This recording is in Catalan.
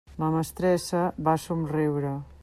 La mestressa va somriure.